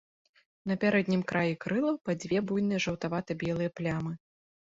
На пярэднім краі крылаў па дзве буйныя жаўтавата-белыя плямы.